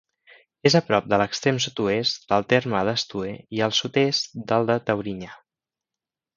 És a prop de l'extrem sud-oest del terme d'Estoer i al sud-est del de Taurinyà.